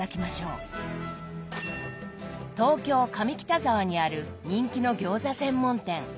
東京・上北沢にある人気の餃子専門店。